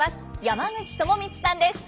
山口智充さんです。